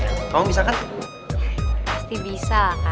yaudah kalau gitu nanti kita meeting sama nakosis yang lainnya ya